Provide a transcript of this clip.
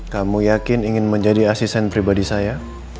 kamu yakin ingin menjadi asisten pribadi saya